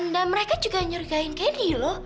dan mereka juga nyuruh kain candy loh